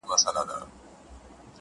موږ ته ورکي لاري را آسانه کړي٫